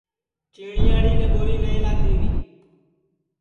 چیٹِؔیاڑی ڈؔٻوری نائی لادھی ری